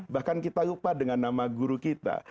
bahkan kita lupa dengan nama guru kita